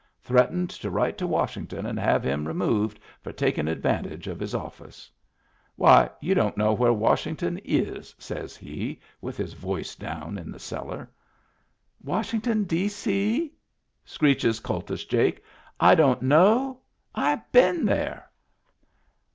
Threatened to write to Washington and have him removed for takin' advantage of his office. " Why, you don't know where Washington is," says he, with his voice down in the cellar. " Washington, D.C ?" screeches Kultus Jake. " I don't know ? I been there